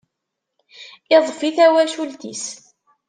Iḍfi tawacult-is.